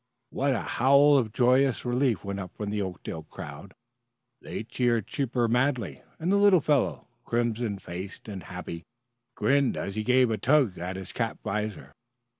What a howl of joyous relief went up from the Oakdale crowd! They cheered Chipper madly, and the little fellow, crimson faced and happy, grinned as he gave a tug at his cap visor.